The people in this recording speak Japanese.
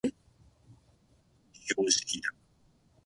窓を開けて風を入れる。